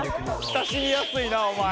親しみやすいなお前。